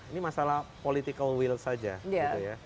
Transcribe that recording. ini masalah political will saja gitu ya